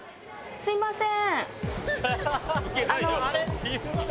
すみません！